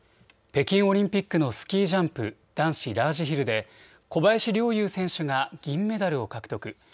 北京オリンピックのスキージャンプ男子ラージヒルで小林陵侑選手が銀メダルを獲得。